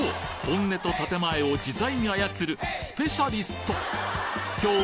本音と建前を自在に操るスペシャリスト！